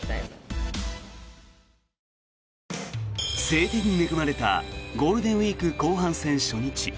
晴天に恵まれたゴールデンウィーク後半戦初日。